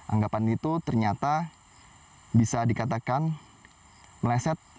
anggapan itu ternyata bisa dikatakan meleset